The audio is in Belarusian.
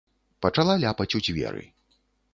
Пачала ляпаць у дзверы.